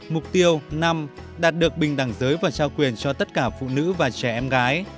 mục tiêu năm đạt được bình đẳng giới và trao quyền cho tất cả phụ nữ và trẻ em gái